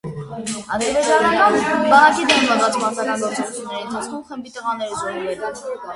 Ադրբեջանական բանակի դեմ մղած մարտական գործողությունների ընթացքում խմբի տղաները զոհվել են։